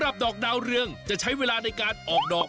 ดอกดาวเรืองจะใช้เวลาในการออกดอก